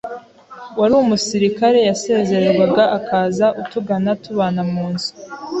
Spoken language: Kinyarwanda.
wari umusirikare yasezererwaga akaza atugana tubana mu nzu